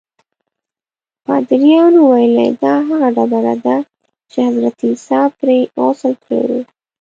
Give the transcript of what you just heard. پادریانو ویلي دا هغه ډبره ده چې حضرت عیسی پرې غسل کړی و.